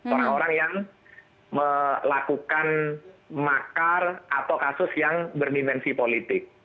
orang orang yang melakukan makar atau kasus yang berdimensi politik